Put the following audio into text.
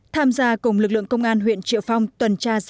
tham gia cùng lực lượng công an huyện triệu phong tuần tra